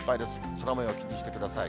空もよう、気にしてください。